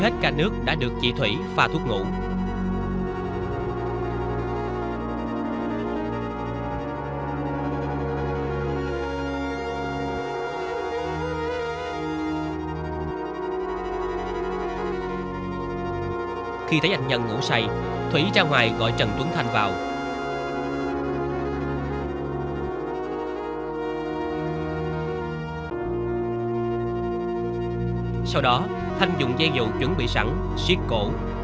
sau đó thanh dùng dây dù chuẩn bị sẵn xiết cổ